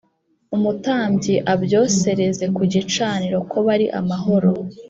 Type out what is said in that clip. Umutambyi abyosereze ku gicaniro ko bari amahoro